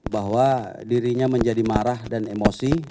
bahwa dirinya menjadi marah dan emosi